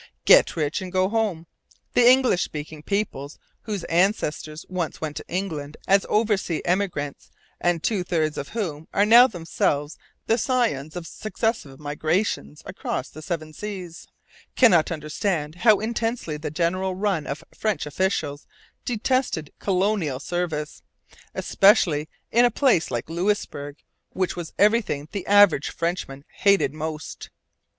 Get rich and go home. The English speaking peoples, whose ancestors once went to England as oversea emigrants, and two thirds of whom are now themselves the scions of successive migrations across the Seven Seas, cannot understand how intensely the general run of French officials detested colonial service, especially in a place like Louisbourg, which was everything the average Frenchman hated most.